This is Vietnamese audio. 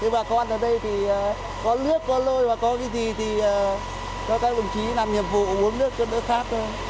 bà con ở đây thì có nước có lôi có cái gì thì cho các đồng chí làm nhiệm vụ uống nước nước khác thôi